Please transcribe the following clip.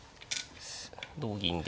同銀で。